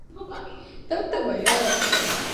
ეს იყო ბოლო ვერცხლის მონეტები მიმოქცევაში.